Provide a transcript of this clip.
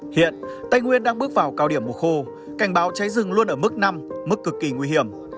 hiện tây nguyên đang bước vào cao điểm mùa khô cảnh báo cháy rừng luôn ở mức năm mức cực kỳ nguy hiểm